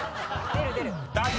出る出る。